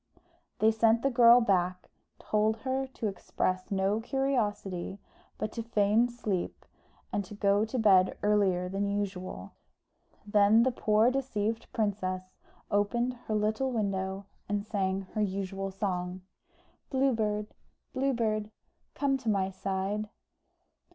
They sent the girl back, told her to express no curiosity, but to feign sleep, and to go to bed earlier than usual. Then the poor deceived princess opened her little window, and sang her usual song "Blue Bird, Blue Bird, Come to my side."